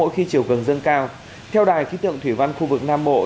khi chiều gần dân cao theo đài ký tượng thủy văn khu vực nam mộ